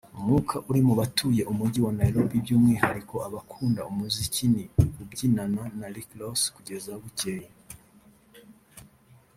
umwuka uri mu batuye Umujyi wa Nairobi by’umwihariko abakunda umuziki ni ukubyinana na Rick Ross kugeza bucyeye